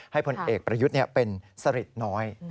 ให้ผลเอกประยุทธ์เป็นสฤทธิ์น้อย